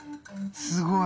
すごい。